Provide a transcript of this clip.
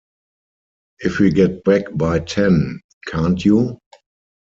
If we get back by ten, can't you?